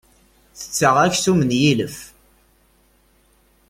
Tetteɣ aksum n yilef.